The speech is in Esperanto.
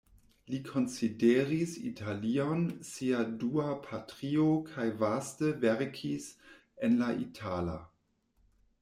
Li konsideris Italion sia dua patrio kaj vaste verkis en la itala.